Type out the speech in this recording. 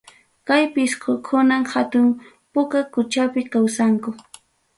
Kay pisqukunam hatun puka quchapim kawsanku.